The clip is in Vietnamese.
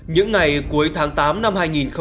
những ngày cuối tháng tám năm hai nghìn hai mươi